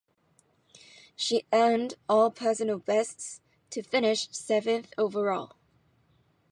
She earned all personal bests to finish seventh overall.